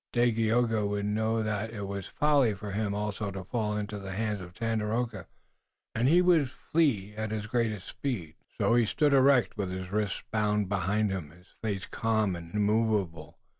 Dagaeoga would know that it was folly, for him also to fall into the hands of Tandakora, and he would flee at his greatest speed. So he stood erect with his wrists bound behind him, his face calm and immovable.